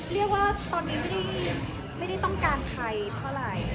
เรียกว่าตอนนี้ไม่ได้ต้องการใครเท่าไหร่